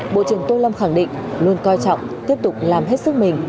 bộ trưởng tô lâm khẳng định luôn coi trọng tiếp tục làm hết sức mình